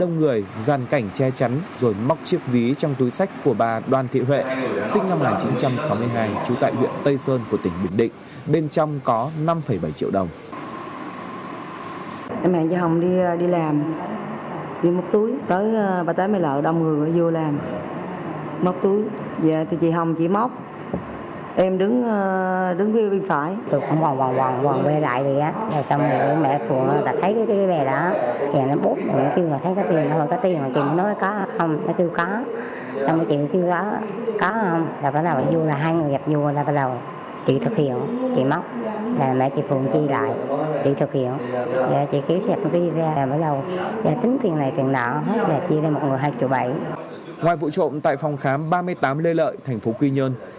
ngoài vụ trộm tại phòng khám ba mươi tám lê lợi thành phố quy nhơn